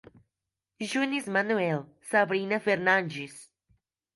Jones Manoel, Sabrina Fernandes